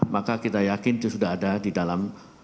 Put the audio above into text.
maka kita yakin itu sudah ada di dalam